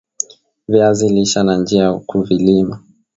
viazi lisha na njia ya kuvilima